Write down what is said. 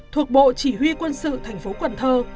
thuộc bộ chỉ huy quân sự thành phố cần thơ